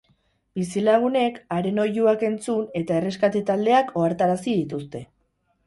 Bizilagunek haren oihuak entzun eta erreskate taldeak ohartarazi dituzte.